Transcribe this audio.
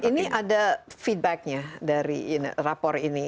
ini ada feedbacknya dari rapor ini